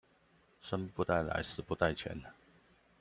生不帶來，死不帶錢